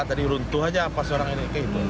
tadi runtuh saja pas orang ini